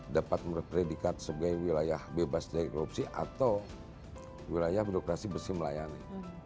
dapat berpredikat sebagai wilayah bebas dari korupsi atau wilayah birokrasi bersih melayani